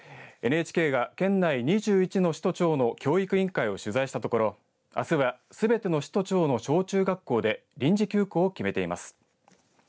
ＮＨＫが県内２１の市と町の教育委員会を取材したところあすは、すべての市と町の小中学校で臨時休校を決めています。